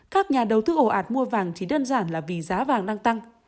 các nhà đầu tư ổ ạt mua vàng thì đơn giản là vì giá vàng đang tăng